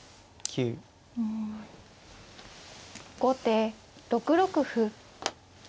後手６六歩。